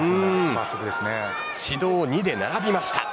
指導２で並びました。